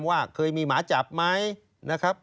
ว่าเคยมีหมาจับไหมนะครับ